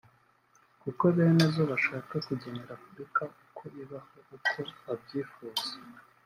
kuko bene zo bashaka kugenera Afurika uko ibaho uko babyifuza